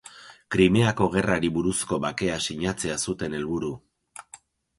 Krimeako Gerrari buruzko bakea sinatzea zuten helburu.